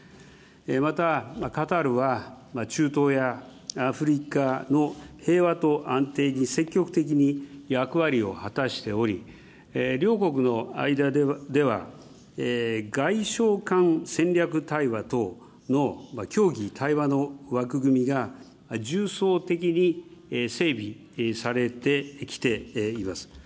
またカタールは、中東やアフリカの平和と安定に積極的に役割を果たしており、両国の間では、外相間戦略対話等の協議、対話の枠組みが重層的に整備されてきています。